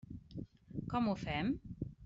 Com ho fem?